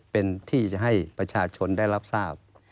เป็นที่จะให้ประชาชนได้รับทราบ